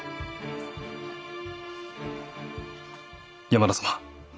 山田様。